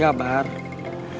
gak ada apa apa